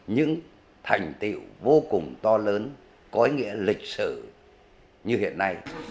những thành tiệu vô cùng to lớn có ý nghĩa lịch sử như hiện nay